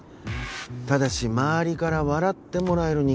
ただし周りから笑ってもらえる人間になれ。